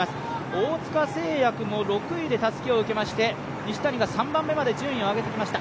大塚製薬も６位でたすきを受けまして、西谷が３番目まで順位を上げてきました。